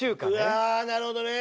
うわなるほどね。